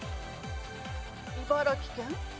茨城県？